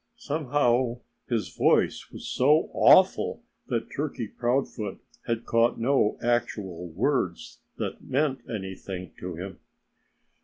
Somehow his voice was so awful that Turkey Proudfoot had caught no actual words that meant anything to him.